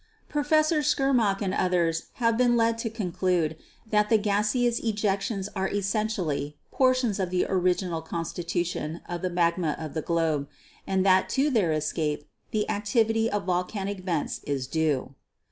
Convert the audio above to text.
Professor Tschermak and others have been led to con clude that the gaseous ejections are essentially portions of the original constitution of the magma of the globe, and that to their escape the activity of volcanic vents is due.